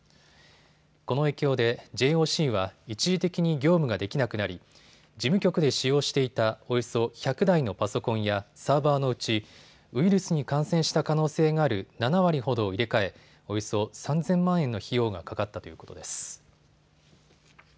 この影響でＪＯＣは一時的に業務ができなくなり事務局で使用していたおよそ１００台のパソコンやサーバーのうちウイルスに感染した可能性がある７割ほどを入れ替え、およそ３０００万円の費用がかかったということです。